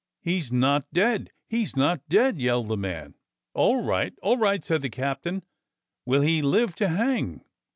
"He's not dead ! He's not dead !" yelled the man. "All right! all right!" said the captain. "Will he live to hang?"